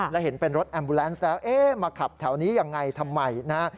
และเห็นเป็นรถแอมบูแลนซ์แล้วเอ๊ะมาขับแถวนี้ยังไงทำไมนะฮะ